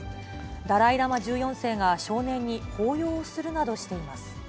ダライ・ラマ１４世が、少年に抱擁するなどしています。